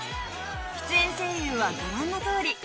出演声優はご覧のとおり。